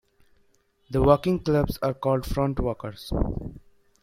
The walking clubs are called Frontwalkers.